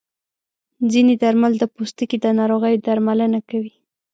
ځینې درمل د پوستکي د ناروغیو درملنه کوي.